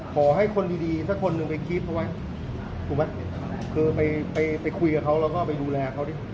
ขอให้คนดีดีสักคนหนึ่งไปกรี๊ดเขาไว้ถูกไหมคือไปไปคุยกับเขาแล้วก็ไปดูแลเขาดิ